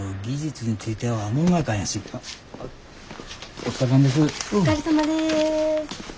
お疲れさまです。